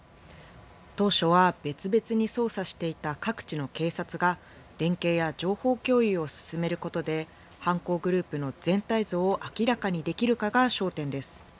当初は別々に捜査していた各地の警察が連携や情報共有を進めることで犯行グループの全体像を明らかにできるかが焦点です。